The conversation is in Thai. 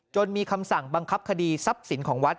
มีคำสั่งบังคับคดีทรัพย์สินของวัด